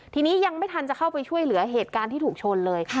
ทีนี้ยังไม่ทันจะเข้าไปช่วยเหลือเหตุการณ์ที่ถูกชนเลย